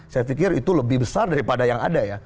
saya pikir itu lebih besar daripada yang ada ya